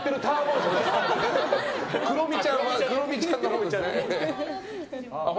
クロミちゃんのほうね。